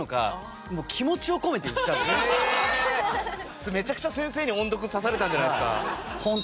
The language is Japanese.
それめちゃくちゃ先生に音読指されたんじゃないですか？